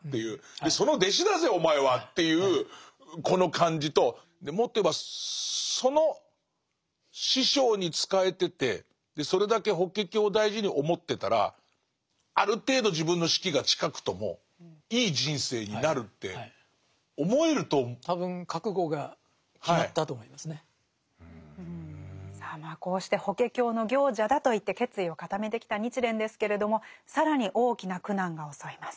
でその弟子だぜお前はっていうこの感じともっと言えばその師匠に仕えててそれだけ「法華経」を大事に思ってたらある程度さあこうして「法華経の行者」だといって決意を固めてきた日蓮ですけれども更に大きな苦難が襲います。